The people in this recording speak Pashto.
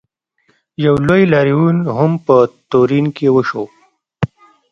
یو لوی لاریون هم په تورین کې وشو.